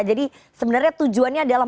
jadi sebenarnya tujuannya adalah